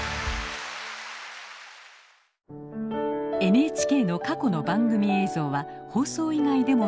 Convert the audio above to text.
ＮＨＫの過去の番組映像は放送以外でも見ることができます。